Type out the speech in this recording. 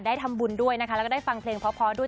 ทำบุญด้วยนะคะแล้วก็ได้ฟังเพลงเพราะด้วย